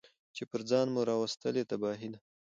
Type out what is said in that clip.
چي پر ځان مو راوستلې تباهي ده